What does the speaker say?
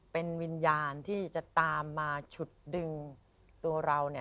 เป็นวิญญาณที่จะตามมาฉุดดึงตัวเรา